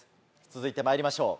続いてまいりましょう。